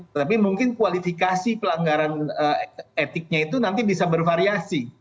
tetapi mungkin kualifikasi pelanggaran etiknya itu nanti bisa bervariasi